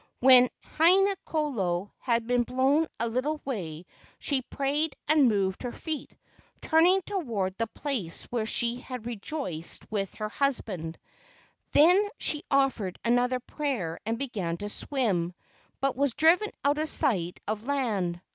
When Haina kolo had been blown a little way she prayed and moved her feet, turning toward the place where she had rejoiced with her hus¬ band. Then she offered another prayer and began to swim, but was driven out of sight of land.